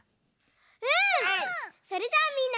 うん。